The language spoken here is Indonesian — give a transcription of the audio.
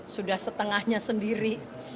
sudah setengahnya sendiri